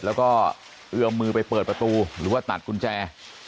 แล้วก็เอือมมือไปเปิดประตูหรือว่าตัดกุญแจ